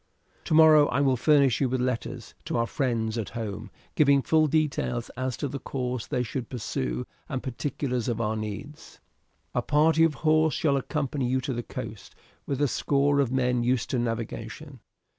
Tomorrow I will furnish you with letters to our friends at home, giving full details as to the course they should pursue and particulars of our needs. "A party of horse shall accompany you to the coast, with a score of men used to navigation.